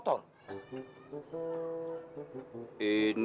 terima kasih mak